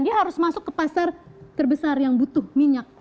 dia harus masuk ke pasar terbesar yang butuh minyak